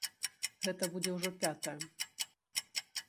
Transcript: Гэта будзе ўжо пятая.